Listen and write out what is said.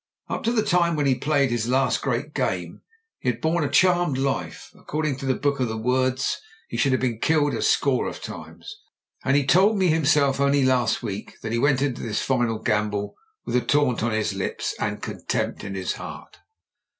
Up to the time when he played his last great game he had borne a charmed life. According to the book of the words, he should have been killed a score of times, and he told me himself only last week that he went into this final gamble with a taunt on his lips and contempt in his heart.